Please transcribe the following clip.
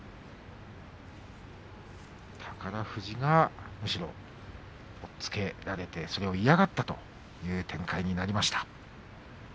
宝富士がむしろ押っつけられて、それを嫌がったという展開になりました。